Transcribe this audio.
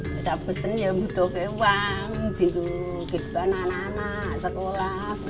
pertama kali saya menggunakan uang untuk hidup anak anak di sekolah